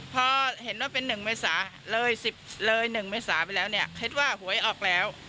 พอเห็นว่าเป็น๑เมษาเลย๑๐เลย๑เมษาไปแล้วเนี่ยคิดว่าหวยออกแล้ว